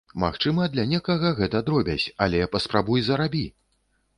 Магчыма, для некага гэта дробязь, але паспрабуй зарабі!